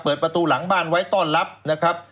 เปิดประตูหลังบ้านไว้ต้อนรับนะครับ